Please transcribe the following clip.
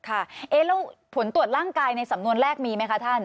แล้วผลตรวจร่างกายในสำนวนแรกมีไหมคะท่าน